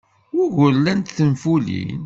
Wuɣur llant tenfulin?